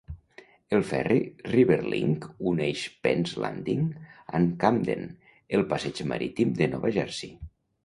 El ferri RiverLink uneix Penn's Landing amb Camden, el passeig marítim de Nova Jersey.